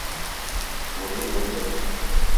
Ори одэ.